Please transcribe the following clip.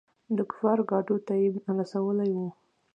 د کفارو ګاډو ته يېم رسولي وو.